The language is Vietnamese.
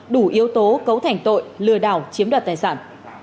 đủ yếu tố cấu thành tội lừa đảo chiếm đoạt tài sản